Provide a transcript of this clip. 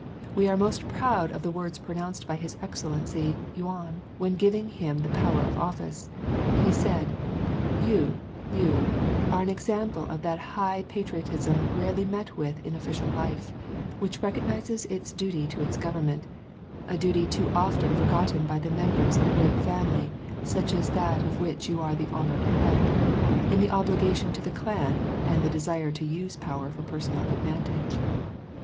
We are most proud of the words pronounced by His Excellency Yuan when giving him his power of office. He said: "You, Liu, are an example of that higher patriotism rarely met with in official life, which recognises its duty to its Government, a duty too often forgotten by the members of a great family such as that of which you are the honoured head, in the obligation to the Clan and the desire to use power for personal advantage.